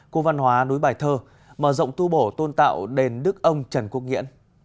của văn hóa núi bài thơ mở rộng tu bổ tôn tạo đền đức ông trần quốc nghĩa